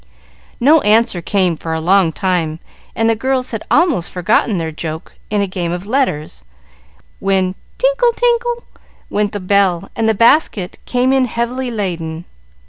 No answer came for a long time, and the girls had almost forgotten their joke in a game of Letters, when "Tingle, tangle!" went the bell, and the basket came in heavily laden.